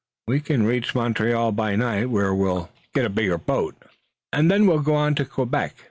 We can reach Montreal by night, where we'll get a bigger boat, and then we'll go on to Quebec.